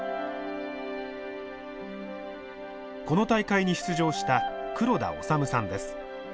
この大会に出場した黒田脩さんです。